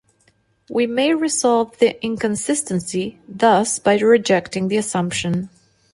We may resolve the inconsistency, thus, by rejecting the assumption.